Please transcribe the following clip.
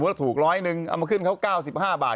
แล้วถูกร้อยหนึ่งเอามาขึ้นเขา๙๕บาท